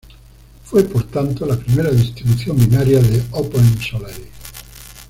Fue por tanto la primera distribución binaria de OpenSolaris.